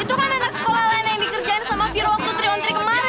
itu kan anak sekolah lain yang dikerjain sama viro waktu triwontri kemarin nat